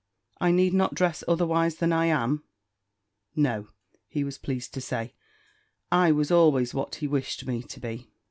"I need not dress otherwise than I am?" "No," he was pleased to say, I was always what he wished me to be.